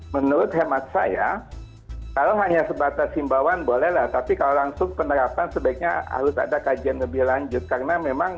menurut hemat saya kalau hanya sebatas himbawan bolehlah tapi kalau langsung penerapan sebaiknya harus ada kajian lebih lanjut karena memang